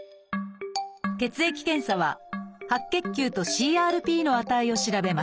血液検査は白血球とＣＲＰの値を調べます。